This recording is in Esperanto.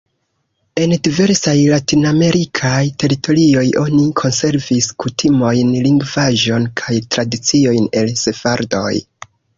En diversaj latinamerikaj teritorioj oni konservis kutimojn, lingvaĵon kaj tradiciojn el sefardoj.